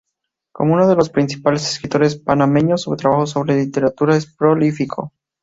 Como uno de los principales escritores panameños, su trabajo sobre literatura es prolífico.